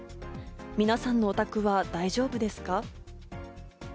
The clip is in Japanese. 皆さんのお宅は大丈夫ですか？